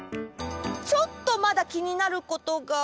ちょっとまだきになることが。